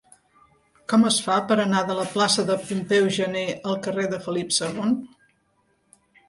Com es fa per anar de la plaça de Pompeu Gener al carrer de Felip II?